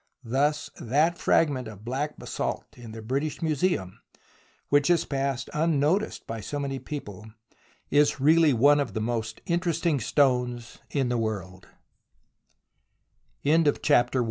Thus that fragment of black basalt in the British Museum, which is passed unnoticed by so many people, is really one of the most interesting stones i